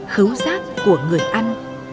khấu giác của người ăn